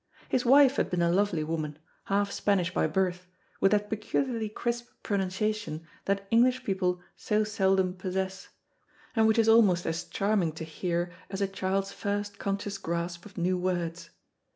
His wife had been a lovely woman, half Spanish by birth, with that peculiarly crisp pronunciation that English people so seldom possess, and which is almost as charming to hear as a child's first conscious grasp of new words.